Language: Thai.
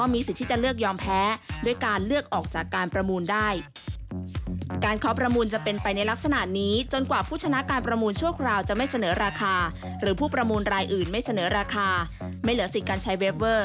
ไม่เหลือสิทธิ์การใช้เวเวอร์